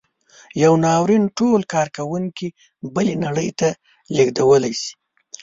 یو ناورین ټول کارکوونکي بلې نړۍ ته لېږدولی شي.